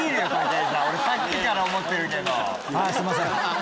俺さっきから思ってるけど。